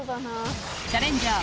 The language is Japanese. チャレンジャー